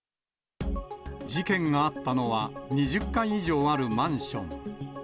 事件があったのは、２０階以上あるマンション。